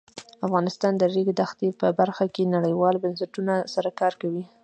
افغانستان د د ریګ دښتې په برخه کې نړیوالو بنسټونو سره کار کوي.